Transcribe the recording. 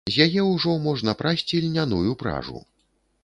З яе ўжо можна прасці льняную пражу.